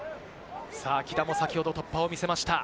木田も先ほど突破を見せました。